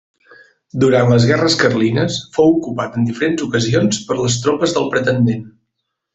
Durant les guerres carlines fou ocupat en diferents ocasions per les tropes del pretendent.